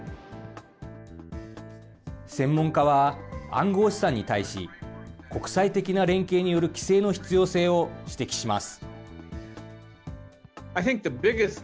専門家は、暗号資産に対し、国際的な連携による規制の必要性を指摘します。